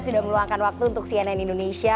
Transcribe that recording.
sudah meluangkan waktu untuk cnn indonesia